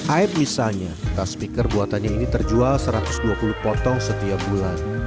aib misalnya tas speaker buatannya ini terjual satu ratus dua puluh potong setiap bulan